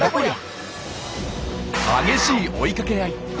激しい追いかけ合い！